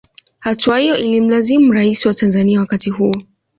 Hatua hiyo ilimlazimu rais wa Tanzanzia wakati huo